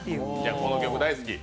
この曲大好き？